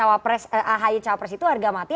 ahi cawa pres itu harga matang